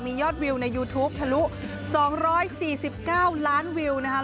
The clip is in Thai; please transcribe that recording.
มียอดวิวในยูทูปทะลุ๒๔๙ล้านวิวนะครับ